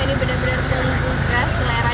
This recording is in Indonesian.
ini benar benar membuka selera